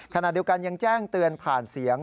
ขณะเดียวกันยังแจ้งเตือนผ่านเสียง